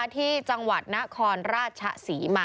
ที่จังหวัดนครราชศรีมา